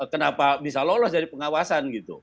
kenapa bisa lolos dari pengawasan gitu